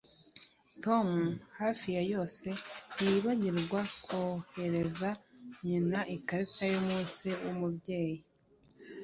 Tom hafi ya yose ntiyibagirwa kohereza nyina ikarita yumunsi wumubyeyi